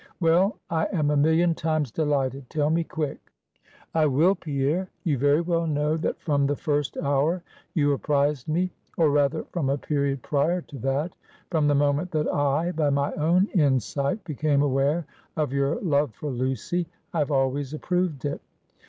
Well, I am a million times delighted; tell me quick!" "I will, Pierre. You very well know, that from the first hour you apprised me or rather, from a period prior to that from the moment that I, by my own insight, became aware of your love for Lucy, I have always approved it.